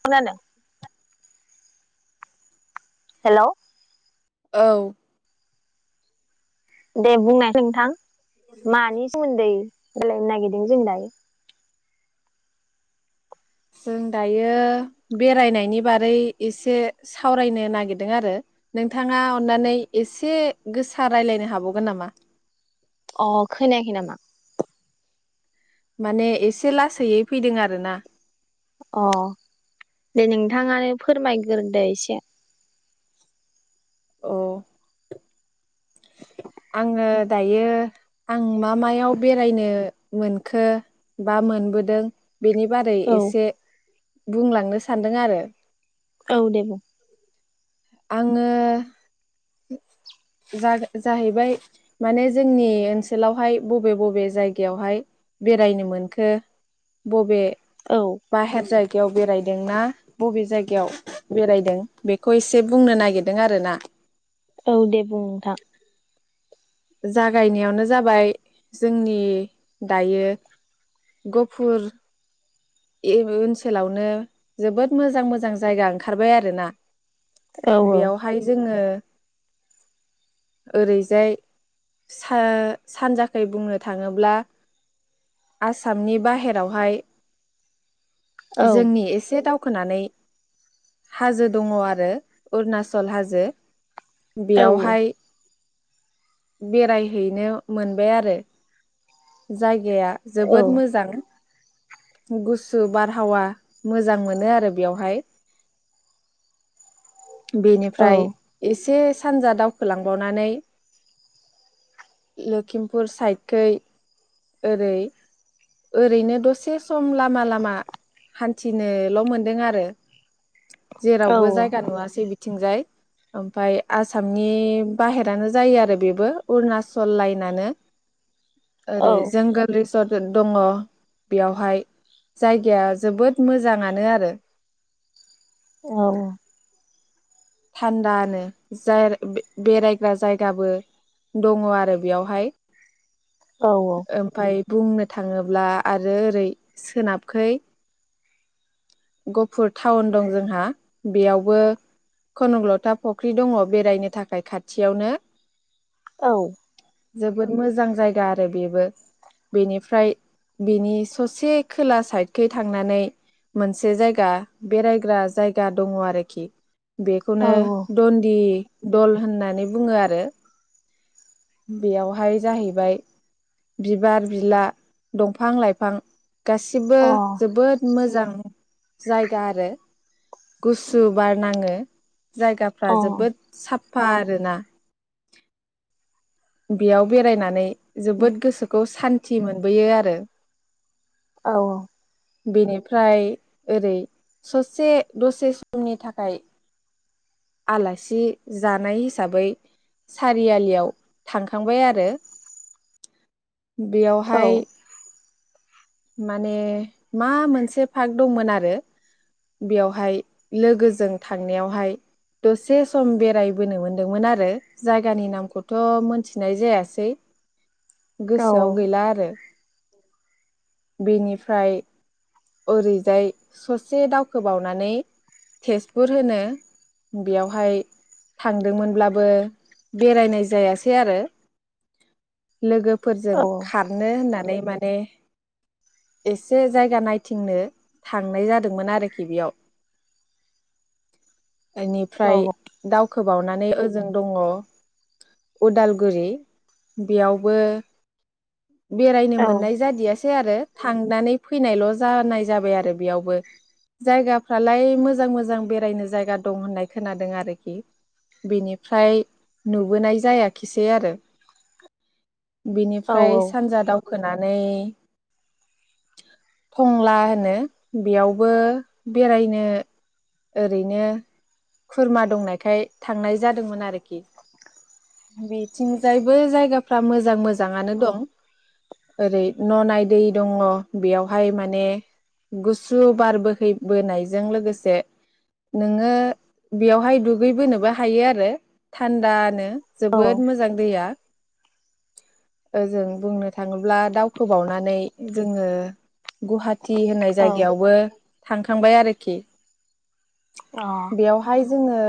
खोनादों? हेल' औ। दे बुंनाय नोंथां मानि सोमोन्दै? रायज्लायनो नागिरदों जों दायो जों दायो बेरायनायनि बारै एसे सावरायनो नागिरदों आरो नोंथाङा अननानै एसे गोसा रायज्लायनो हाबावगोन नामा? अ खोनायाखै नामा? माने एसे लासैयै फैदों आरोना। अ दे नोंथाङानो फोरमायग्रोदो एसे अ आङो दायो आं मा मायाव बेरायनो मोनखो बा मोनबोदों बेनि बारै औ एसे बुंलांनो सानदों आरो औव दे बुं आङो जाहैबाय माने जोंनि ओनसोलावहाय बबे बबे जायगायावहाय बेरायनो मोनखो बबे औ बाहेर जायग जायगायाव बेरायदोंना बबे जायगायाव बेरायदों बे खौ एसे बुंनो नागिरदों आरो ना औ दे बुं नोंथां जागायनायावनो जाबाय जोंनि दायो गुफुर बे ओनसोलावनो जोबोद मोजां मोजां जायगा ओंखारबाय आरोना औ बेयावहाय जोङो ओरैजाय सानजाखै बुंनो थाङोब्ला आसामनि बाहेरावहाय औ जोंनि एसे दाव खानै हाजो दङ आरो अरुनाचल हाजो बेयावहाय बेरायहैनो मोनबाय आरो जायगा गाया औ जोबोद मोजां गुसु बारहावा मोजां मोनो आरो बेवहाय औ बेनिफ्राय एसे सानजा दावखोलांबावनानै लिमपुर साइदखै ओरै ओरैनो दसे सम लामा लामा हान्थिनोल' मोनदों आरो औ जेरावबो जायगा नुवासै बिदि बिथिंजाय ओमफ्राय आसामनि बाहेरानो जायो आरो बेबो अरुणचल लाइनानो औ ओरै जोंगोल रिजथ दङ बेयावहाय जायगाया जोबोद मोजाङानो आरो औ। थान्दानो ज बेरायग्रा जायगाबो दङ आरो बेयावहाय। औ ओमफ्राय बुंनो थाङोब्ला आरो ओरै सोनाबखै गफुर टाउन दं जोंहा बेयावबो खनग्लथा फुख्रि दङ बेरायनो थाखाय खाथियावनो औ। जोबोद मोजां जायगा आरो बेबो बेनिफ्राय बिनि ससे खोला साइदखै थांनानै मोनसे जायगा बेरायग्रा जायगा दङ आरोखि। औ औ अ बेखौनो दन्दि दल होननानै बुङो आरो बेयावहाय जाहैबाय बिबार बिला दंफां लाइफां गासिबो जोबोद मोज जां। जायगा आरो गुसु बार नाङो जायगाफ्रा औ जोबोद साफ फा आरोना बेयाव बेरायनानै जोबोद गोसोखौ सान थि मोनबोयो आरो। औ औ बेनिफ्राय ओरै ससे दसे समनि थाखाय आलासि जानाय हिसाबै सारियालियाव थांखांबाय आरो। बेयावहाय माने मा मोनसे पार्क दंमोन आरो बेयावहाय लोगोजों थांनायावहाय दसे सम बेरायबोनो मोनदोंमोन आरो जायगानि नामखौथ' मोनथिनाय जायासै। गोसोआव गैला आरो। [inaudible] बेनिफ्राय ओरैजाय ससे दावखोबावनानै तेजपुर होनो बेयावहाय थांदोंमोनब्लाबो बेरायनाय जायासै आरो। लोगोफोरजों खारनो होननानै माने एसे जायगा नायथिंनो थांनाय जादोंमोन आरोखि बेयाव। बेनिफ्राय दाउ खोबावनानै ओजों दङ उदालगुरि बेयावबो बेरायनो मोननाय जादियासै सै आरो थांनानै फैनायल' जानाय जाबाय आरो बेयावबो जायगाफ्रालाय मोजां मोजां बेरायनो जायगा दं होननाय खोनादों आरोखि बेनिफ्राय नुबोनाय जायाखिसै आरो। बिनिफ्राय सानजा दउ खोनानै टंला होनो बेयावबो बेरायनो ओरैनो खुरमा दंनायखाय थांनाय जादोंमोन आरोखि बेथिंजायबो जायगाफ्रा मोजां मोजाङानो दं ओरै न'नाय दै दङ बेयावहाय माने गुसु बार बोहैबोनायजों लोगोसे नोङो बेयावहाय दुगैबोनोबो हायो आरो थान्दानो। जोबोद मोजां दैया। ओजों बुंनो थाङोब्ला दावखोबावनानै जोङो गुहाटि होननाय जायगायावबो थांखांबाय आरोखि। बेवहाय जोङो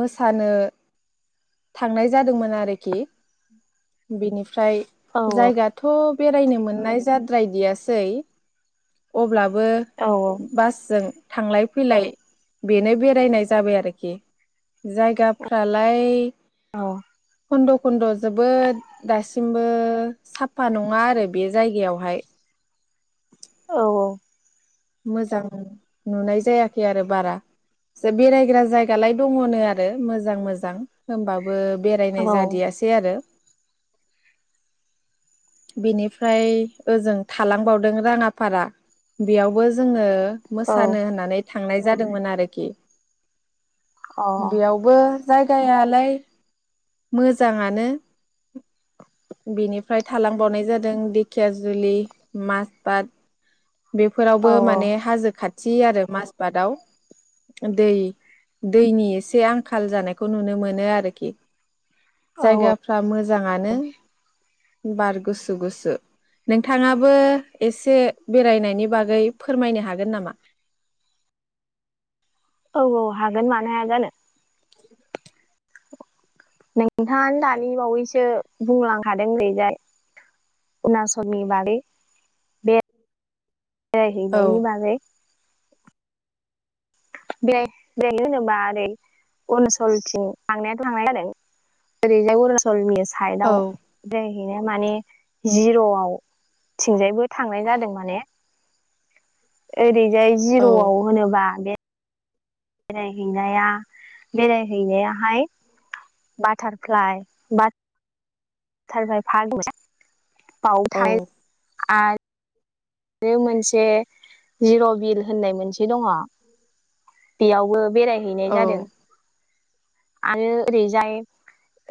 मोसानो थांनाय जादोंमोन आरोखि बेनि फ्राय जायगाथ' बेरायनो मोननाय जाद्रायदियासै अब्ला बो बासजों थांलाय फैलाय बेनो बेरायनाय जाबाय आरोखि जायगाफ्रालाय औ खन्द' खन्द' जोबोद दासिमबो साफा नङा आरो बे जायगायावहाय औ औ मोजां नुनाय जायाखै आरो बारा बेरायग्रा जायगालाय दङनो आरो मोजां मोजां होनोमबाबो बो औ बेरायनाय अ औ जादियासै आरो बेनिफ्राय ओजों थालांबावदों राङाफारा बेयावबो जोङो औ मोसानो होननानै थांनाय जादोंमोन आरोखि बेयावबो जायगायालाय मोजाङानो बिनिफ्राय थालांबावनाय जादों दिेखिया जुलि माजबाद औ बेफोरावबो माने हाजो खाथि खाथि आरो माजबादाव दै दैनि एसे आंखाल जानायखौ नुनो मोनो आरोखि औ जायगाफ्रा मोजाङानो बार गुसु गुसु नोंथाङाबो एसे- बेरायनायनि बागै फोरमायनो हागोन नामा औ औ हागोन मानो हाया जानो। नोंथाङा दानि बावैसो बुंलांखादों नैजाय अरुनाचलनि बागै औ बेरायहैनायनि बागै बे बेनो जेनेबा ओरै अरुणाचलथिं थांनायाथ' थांनाय ओरैजाय अरुणाचलनि साइद आव औ दै बिनो माने जिर'आव थिंजायबो थांनाय जादों माने ओरै बेहाय औ जिर'आव होनोब्ला बेरायहैनाया बेरायहैनाया हाय बाटारफ्लाय [unintelligible] बाव औ थाय आरो आरो मोनसे जिर' बिल होननाय मोनसे [unintelligible] दङ बियावबो बेरायहैनाय औ जादों आरो ओरैजाय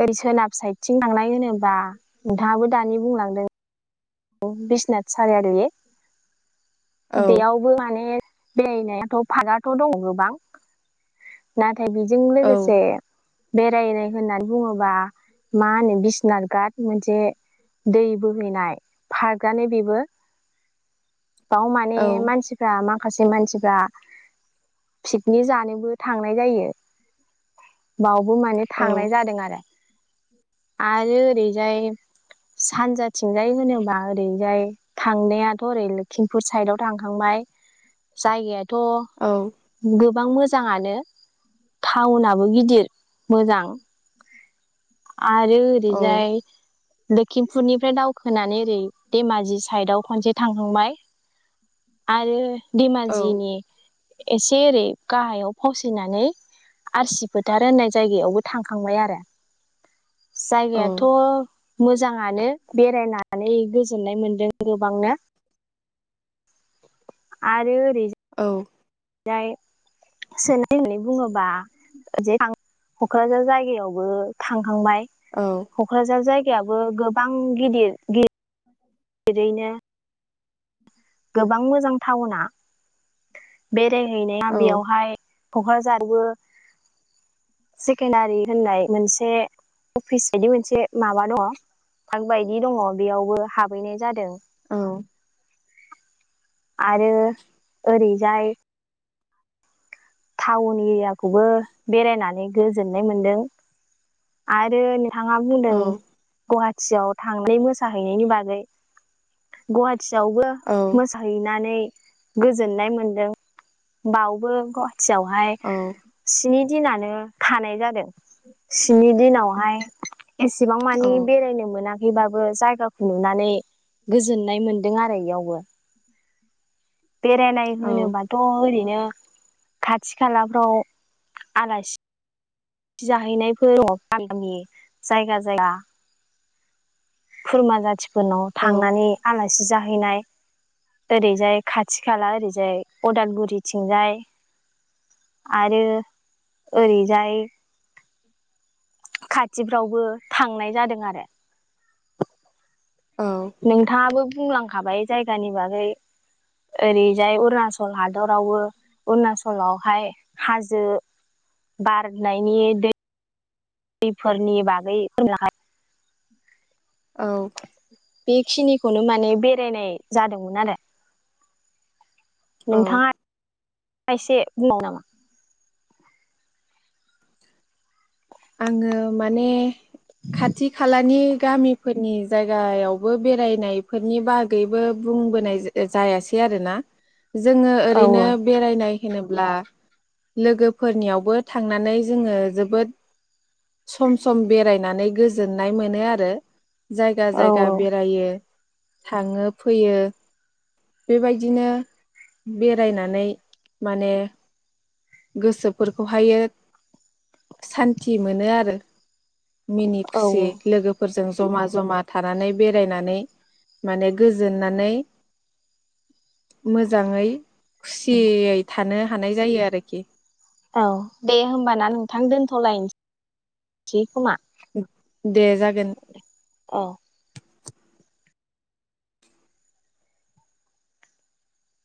ओरै सोनाब साइदथिं थांनाय होनो दाबो दा नोंथाङाबो दा- [unintelligible] बुंलांदों औ बिस्नाथ सारिआलि- औ बेयावबो माने- बेरायनायाथ' फारागाथ' दङ गोबां ना नाथाय बेजों औ लोगोसे बेरायनाय होननानै बुङोबा मा होनो बिसनाथ गााथ मोनसे दै बोहैनाय फागआनो‌ बेबो बाव माने औ मानसिफ्रा मा माखासे मानसिफ्रा पिकनिक जानोबो थांनाय जायो। बाव बो माने औ थांनाय जादों आरो। आरो ओरैजाय सानजाथिंजाय होनोबा ओरैजाय थांनायाथ' ओरै लकिमपुर साइदाव थांखांबाय जायगाय' थ' गो गोबां मोजाङनो थाउन आ गिदिर मोजां आरो औ ओरैजाय लोकिमपुरनिफ्राय दावखोनानै ओरै धेमाजि साइदआव खनसे थांखांबाय आरो धेमाजिनि एसे एओरै गाहायाव फावसिनानै आरसि फोथार होननाय जायगायावबो थांखांबाय आरो। जायगायाथ' मोजाङानो बेरायनानै गोजोननाय मोनदों गोबांनो आरो ओरै औ! ओमफ्राय सोनो दि बुङोबा क'क्राझार जायगायावबो थांखांबाय। खक्राझार जायग बो गोबां गिदिर गिदिर जेरैनो गोबां मोजां टाउना बे जे हैनाया बेयावहाय क'क्राझारबो सेकेणडारि होननाय मोनसे अफिस बायदि मोनसे माबा दङ पार्क बायदि दङ बेयावबो हाबहैनाय जादों। औ। आरो ओरैजाय टाउन एरियाखौबो बेरायनानै गोजोननाय मोनदों आरो थाङा औ बुंदों गहा टियाव थांनाय मोसाहैनायनि बागै गवा थियावबो औ मोसाहैनानै गोजोननाय मोनदों बावबो ओमफाय थियावहाय औ स्नि दिनानो थानाय जादों स्नि दिनावहाय एसेबां औ मानि बेरायनो मोना खैबाबो जायगाखौ नुनानै गोजोननाय मोन्दों आरो इयावबो। बेरायनाय होनोबाथ' ओरैनो खाथि खालाफ्राव आलासि जाहैनायफोराव गामि जायगा जायगा खुरमा जाथि फोरनाव औ थांनानै आला सि जाहैनाय ओरैजाय खाथि खाला ओरै जाय अदालगुरिथिंजाय आरो ओरैजाय खाथिफ्रावबो थांनाय जादों आरो। नोंथाङांबो बुंलांखाबाय जायगानि बागै ओरैजाय अरुणचल हादरावबो अरुनाचलावहाय हाजो बारनायनि दै दैफोरनि बागै [unintelligible] औ बेखिनिखौनो माने बे बेरायनाय जादोंमोन आरो। औ नोंथांङा खायसे बुंबावनो नामा? आंङो माने खाथि खालानि गामिफोरनि जायगायावबो बेरायनायफोरनि बागैबो बुंबोनाय जा जायासै आरोना। जोंङो औ ओरैनो बेरायनाय होनोब्ला लोगोफोरनियावबो थांनानै जोंङो जोबोद सम सम बेरायनानै गोजोननाय मोनो आरो। जायगा औ जायगा औ बेरायो थांङो फैयो बेबायदिनो बेरायनानै माने गोसोफोरखौ हायो सान थि मोनो आरो। मिनि औ खुसि लोगोफोरजों ज जमा-जमा थानानै बेरायनानै माने गोजोननानै मोजांङै खुसियै था थानो हानाय जायो आरोखि औ दे होमबाना नोंथां दोनथ'लायनोसै खोमा? दे जागोन। औ